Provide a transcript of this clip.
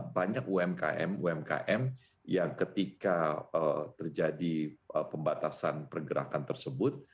banyak umkm umkm yang ketika terjadi pembatasan pergerakan tersebut